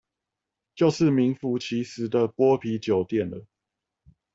就是名符其實的剝皮酒店了